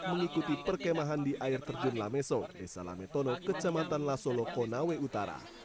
mengikuti perkemahan di air terjun lameso desa lametono kecamatan lasolo konawe utara